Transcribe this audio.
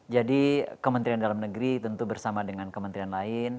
jadi kementerian dalam negeri tentu bersama dengan kementerian lain